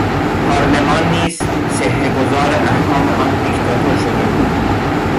پارلمان نیز صحه گذار احکام آن دیکتاتور شده بود.